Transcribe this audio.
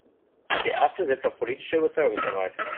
Der erste setzt auf politische Überzeugungsarbeit.